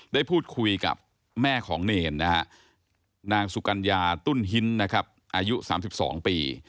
ได้พูดคุยกับแม่ของเนรนางสุกัญญาตุ้นหินอายุ๓๒ปี